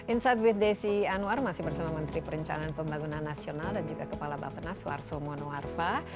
insight with desi anwar masih bersama menteri perencanaan pembangunan nasional dan juga kepala bapak nas suharto mono arfa